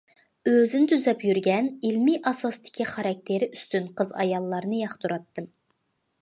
ئۆزىنى تۈزەپ يۈرگەن، ئىلمىي ئاساستىكى خاراكتېرى ئۈستۈن قىز- ئاياللارنى ياقتۇراتتىم.